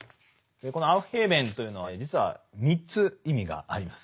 このアウフヘーベンというのは実は３つ意味があります。